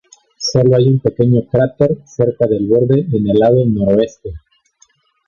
Solo hay un pequeño cráter cerca del borde en el lado noroeste.